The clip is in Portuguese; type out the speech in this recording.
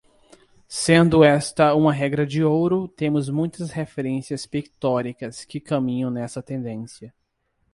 Sendo esta uma regra de ouro, temos muitas referências pictóricas que caminham nessa tendência.